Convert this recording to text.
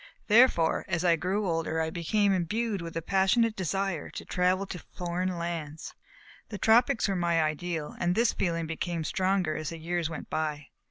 Therefore, as I grew older, I became imbued with a passionate desire to travel in foreign lands. The tropics were my ideal, and this feeling became stronger as the years went by.